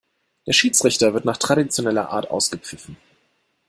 Der Schiedsrichter wird nach traditioneller Art ausgepfiffen.